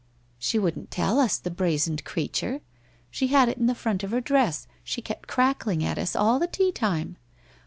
{ She wouldn't tell us, the brazened creature ! She had it in the front of her dress, and she kept crackling it at us all tea time.